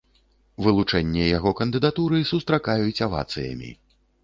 Вылучэнне яго кандыдатуры сустракаюць авацыямі.